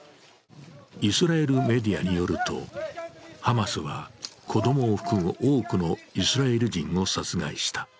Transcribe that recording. イスラエルメディアによると、ハマスは子供を含む多くのイスラエル人を殺害した。